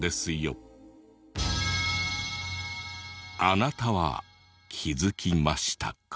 あなたは気づきましたか？